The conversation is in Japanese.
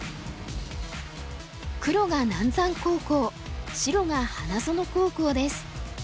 黒が南山高校白が花園高校です。